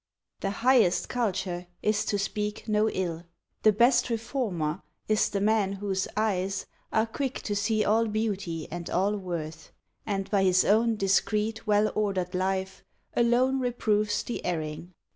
The highest culture is to speak no ill; The best reformer is the man whose eyes Are quick to see all beauty and all worth; And by his own discreet, well ordered life, Alone reproves the erring.